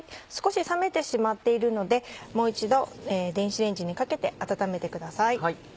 少し冷めてしまっているのでもう一度電子レンジにかけて温めてください。